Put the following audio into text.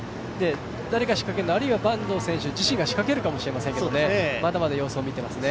あるいは坂東選手自身が仕掛けるのかもしれませんがまだまだ様子を見ていますよね。